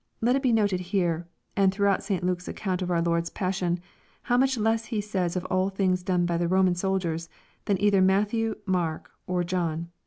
Let it be noted here, and throughout St Luke's account of our Lord's pas sion, how much less he says of the things done by the Roman soldiers, than either Matthew, Mark, or John.